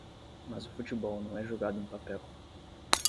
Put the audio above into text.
Mas o futebol não é jogado em papel.